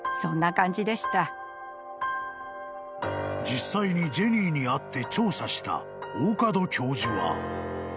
［実際にジェニーに会って調査した大門教授は］